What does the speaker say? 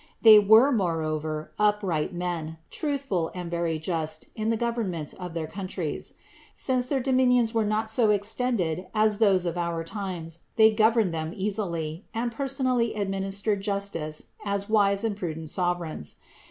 They were, moreover, upright men, truthful and very just in the government of their countries. Since their dominions were not so extended as those of our times, they governed them easily, and personally administered justice as wise and prudent sovereigns.